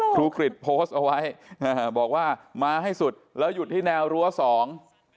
กริจโพสต์เอาไว้อ่าบอกว่ามาให้สุดแล้วหยุดที่แนวรั้วสอง